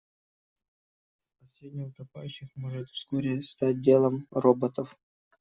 Спасение утопающих может вскоре стать делом роботов.